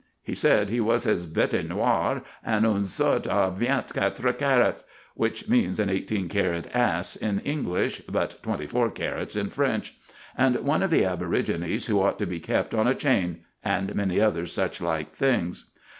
He said he was his "bête noire" and "un sot à vingt quatre carats" which means an eighteen carat ass in English, but twenty four carats in French and "one of the aborigines who ought to be kept on a chain," and many other such like things.